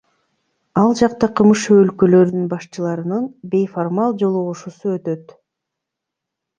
Ал жакта КМШ өлкөлөрүнүн башчыларынын бейформал жолугушуусу өтөт.